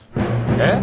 えっ？